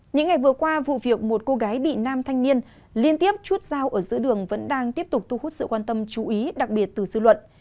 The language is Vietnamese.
những ngày vừa qua vụ việc một cô gái bị nam thanh niên liên tiếp chút giao ở giữa đường vẫn đang tiếp tục thu hút sự quan tâm chú ý đặc biệt từ dư luận